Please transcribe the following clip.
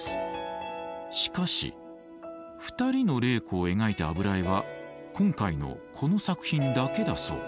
しかし２人の麗子を描いた油絵は今回のこの作品だけだそう。